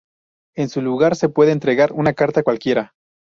En su lugar se puede entregar una carta cualquiera.